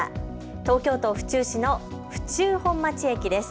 東京都府中市の府中本町駅です。